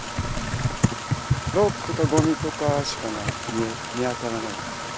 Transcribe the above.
ロープとかごみとかしか見当たらないですね。